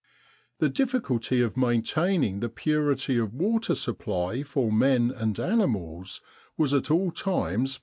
The difficulty of maintaining the purity of water supply for men and animals was at all times very ii With the R,A.